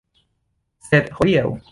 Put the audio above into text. Sed hodiaŭ?